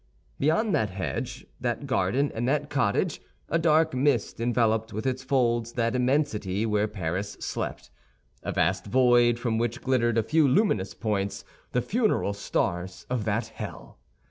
Beyond that hedge, that garden, and that cottage, a dark mist enveloped with its folds that immensity where Paris slept—a vast void from which glittered a few luminous points, the funeral stars of that hell!